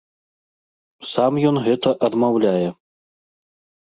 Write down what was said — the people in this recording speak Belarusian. Сам ён гэта адмаўляе.